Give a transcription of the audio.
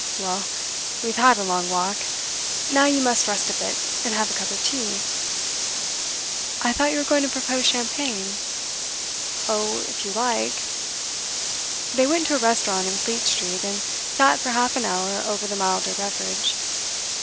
Well, we've had a long walk; now you must rest a bit, and have a cup of tea.' 'I thought you were going to propose champagne.' 'Oh if you like ' They went to a restaurant in Fleet Street, and sat for half an hour over the milder beverage.